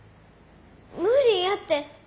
無理やて。